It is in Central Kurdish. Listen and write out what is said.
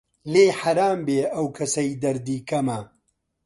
لێی حەرام بێ ئەو کەسەی دەردی کەمە